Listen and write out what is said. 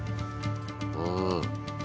うん。